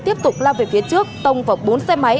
tiếp tục lao về phía trước tông vào bốn xe máy